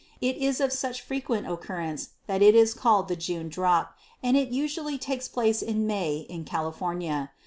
It is of such frequent occurrence that it is called the June drop, and it usually takes place in May in California.